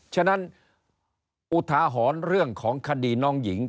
ฉะนั้นอุทาหรณ์เรื่องของคดีน้องหญิง